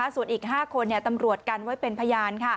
ส่วนอีก๕คนตำรวจกันไว้เป็นพยาน